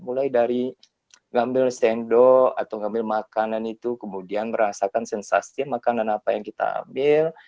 mulai dari ngambil sendok atau ngambil makanan itu kemudian merasakan sensasi makanan apa yang kita ambil